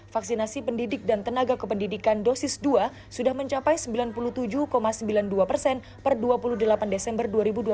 vaksinasi pendidik dan tenaga kependidikan dosis dua sudah mencapai sembilan puluh tujuh sembilan puluh dua persen per dua puluh delapan desember dua ribu dua puluh